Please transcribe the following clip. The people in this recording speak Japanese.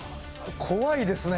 怖いですね。